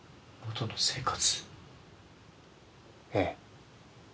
ええ。